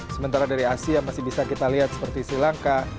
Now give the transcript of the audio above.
sementara dari asia masih bisa kita lihat seperti sri lanka